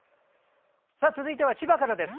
続いては千葉からです。